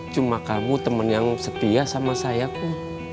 cuma kamu temen yang setia sama sayaku